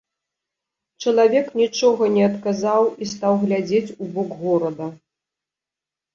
Чалавек нічога не адказаў і стаў глядзець у бок горада.